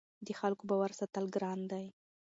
د خلکو باور ساتل ګران دي